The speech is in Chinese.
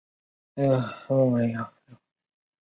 顺治八年任江西巡抚。